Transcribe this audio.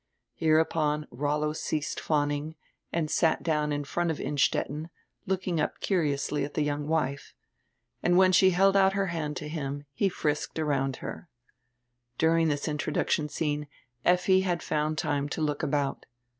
Here upon Rollo ceased fawning and sat down in front of Innstet ten, looking up curiously at the young wife. And when she held out her hand to him he frisked around her. During diis introduction scene Effi had found time to look about.